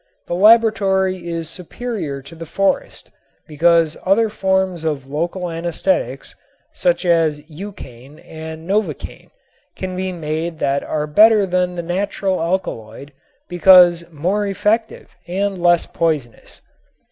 The laboratory is superior to the forest because other forms of local anesthetics, such as eucain and novocain, can be made that are better than the natural alkaloid because more effective and less poisonous.